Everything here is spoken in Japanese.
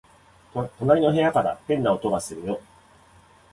隣の部屋から変な音がするよ